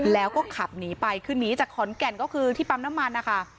แล้วก็ขับหนีไปคือหนีจากขอนแก่นก็คือที่ปั๊มน้ำมันนะคะ